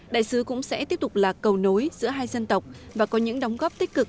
đại sứ cũng sẽ tiếp tục là cầu nối giữa hai dân tộc và có những đóng góp tích cực